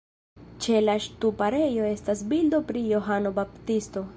Ĉe la ŝtuparejo estas bildo pri Johano Baptisto.